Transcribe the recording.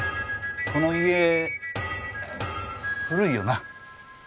この家古いよな？